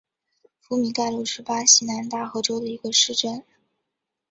福米盖鲁是巴西南大河州的一个市镇。